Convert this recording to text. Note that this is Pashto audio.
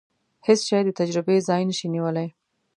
هیڅ شی د تجربې ځای نشي نیولای.